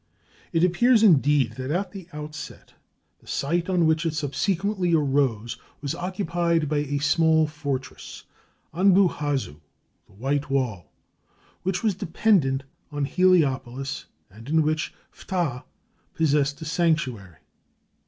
It appears, indeed, that at the outset the site on which it subsequently arose was occupied by a small fortress, Anbu hazu the white wall which was dependent on Heliopolis and in which Phtah possessed a sanctuary.